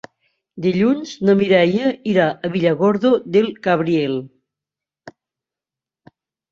Dilluns na Mireia irà a Villargordo del Cabriel.